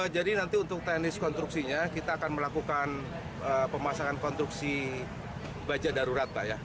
jadi nanti untuk teknis konstruksinya kita akan melakukan pemasangan konstruksi baja darurat pak ya